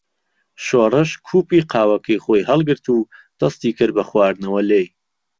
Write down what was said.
شۆڕش کووپی قاوەکەی خۆی هەڵگرت و دەستی کرد بە خواردنەوە لێی.